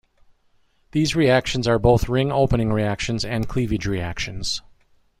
These reactions are both ring opening reactions and cleavage reactions.